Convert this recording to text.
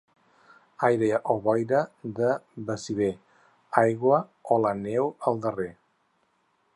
Aire o boira de Baciver, aigua o la neu al darrer.